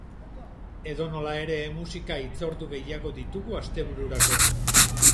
Edonola ere, musika hitzordu gehiago ditugu astebururako.